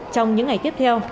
trong những ngày tiếp theo